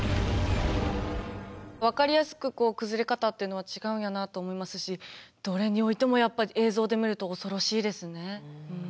分かりやすく崩れ方っていうのは違うんやなって思いますしどれにおいてもやっぱり映像で見ると恐ろしいですね。